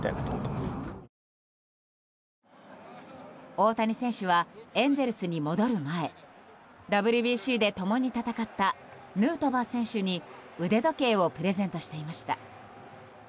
大谷選手はエンゼルスに戻る前ＷＢＣで共に戦ったヌートバー選手に腕時計をプレゼントしていました。